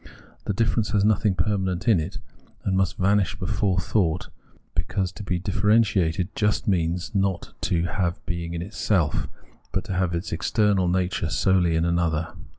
The difference has nothing permanent in it, and must vanish before thought, because to be differentiated just means not to have being in itself, but to have its essential nature solely in an other.